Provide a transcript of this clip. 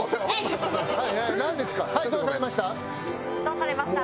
はいどうされました？